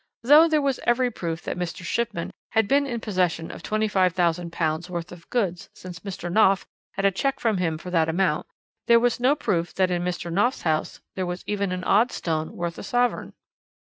Though there was every proof that Mr. Shipman had been in possession of £25,000 worth of goods since Mr. Knopf had a cheque from him for that amount, there was no proof that in Mr. Knopf's house there was even an odd stone worth a sovereign.